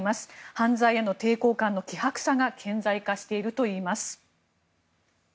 犯罪への抵抗感の希薄さが顕在化しているといいます。